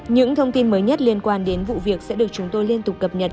những thông tin mới nhất liên quan đến vụ việc sẽ được chúng tôi liên tục cập nhật